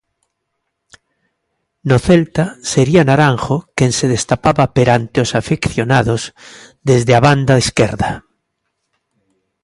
No Celta sería Naranjo quen se destapaba perante os afeccionados desde a banda esquerda.